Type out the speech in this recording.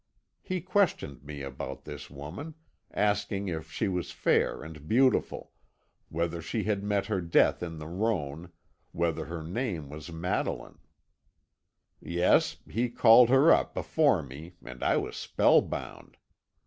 He questioned me about this woman, asking if she was fair and beautiful, whether she had met her death in the Rhone, whether her name was Madeline. Yes, he called her up before me and I was spellbound.